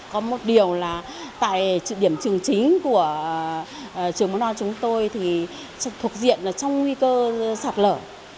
có một điều là tại điểm trường chính của trường mầm non chúng tôi thì trực thuộc diện là trong nguy cơ sạt lở